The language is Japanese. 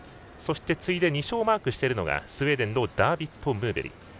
そして次いで２勝をマークしているのがスウェーデンのダービット・ムーベリ。